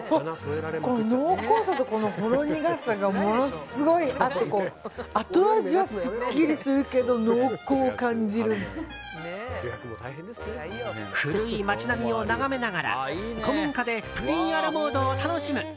この濃厚さとほろ苦さがものすごい合って後味はすっきりするけど古い街並みを眺めながら古民家でプリンアラモードを楽しむ。